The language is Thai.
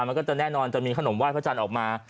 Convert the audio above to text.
มันก็จะแน่นอนจะมีขนมไห้พระจันทร์ออกมา